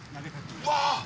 うわ！